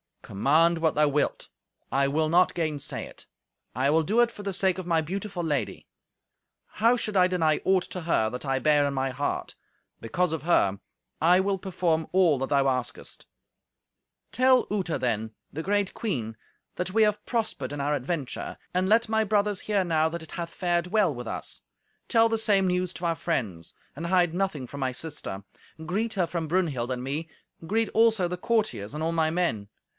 "Command what thou wilt, I will not gainsay it. I will do it for the sake of my beautiful lady. How should I deny aught to her that I bear in my heart? Because of her, I will perform all that thou askest." "Tell Uta, then, the great queen, that we have prospered in our adventure; and let my brothers hear how that it hath fared well with us. Tell the same news to our friends. And hide nothing from my sister. Greet her from Brunhild and me; greet also the courtiers and all my men.